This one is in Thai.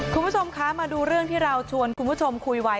คุณผู้ชมคะมาดูเรื่องที่เราชวนคุณผู้ชมคุยไว้